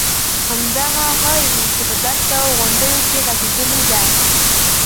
همدغه های وې په دښته او غونډیو کې غځېدلې ده.